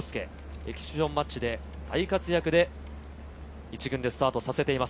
エキシビションマッチで大活躍で１軍でスタートさせています